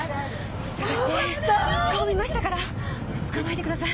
捜して顔見ましたから捕まえてください！